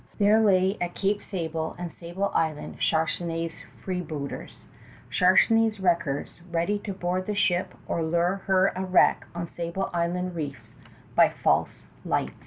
There lay at Cape Sable and Sable Island Charnisay's freebooters, Charnisay's wreckers, ready to board the ship or lure her a wreck on Sable Island reefs by false lights.